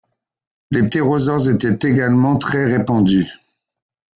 Les ptérosaures étaient également très répandus.